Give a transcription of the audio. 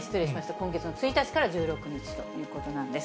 今月の１日から１６日ということなんです。